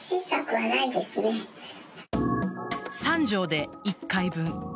３錠で１回分。